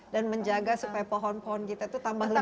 dan menjaga supaya pohon pohon kita itu tambah lebat